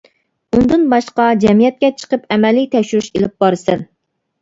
ئۇندىن باشقا، جەمئىيەتكە چىقىپ ئەمەلىي تەكشۈرۈش ئېلىپ بارىسەن.